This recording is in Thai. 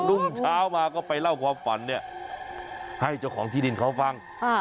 รุ่งเช้ามาก็ไปเล่าความฝันเนี่ยให้เจ้าของที่ดินเขาฟัง